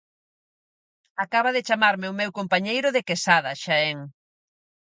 Acaba de chamarme o meu compañeiro de Quesada, Xaén.